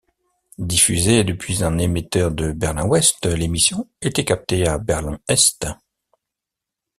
Diffusée depuis un émetteur de Berlin-Ouest, l'émission était captée à Berlin-Est.